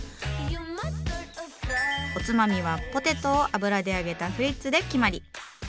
おつまみはポテトを油で揚げた「フリッツ」で決まり。